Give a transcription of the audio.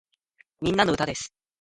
みんなの歌です